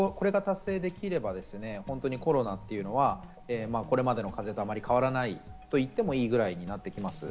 これが達成できればコロナというのは、これまでの数とあまり変わらないと言ってもいいぐらいになります。